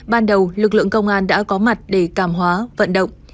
ban đầu lực lượng công an đã có mặt để cảm hóa vận động